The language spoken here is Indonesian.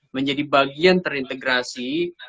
menjadi bagian terintegrasi